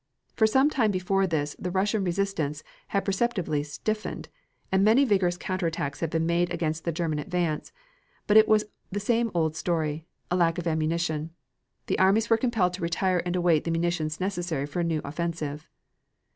For some time before this the Russian resistance had perceptibly stiffened, and many vigorous counter attacks had been made against the German advance, but it was the same old story, the lack of ammunition. The armies were compelled to retire and await the munitions necessary for a new offensive.